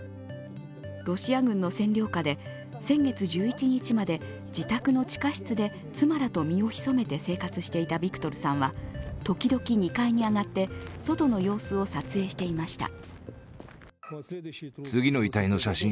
ロシア軍の占領下で先月１１日まで自宅の地下室で妻らと身を潜めて生活していたビクトルさんは、時々２階に上がって、外の様子を撮影していました。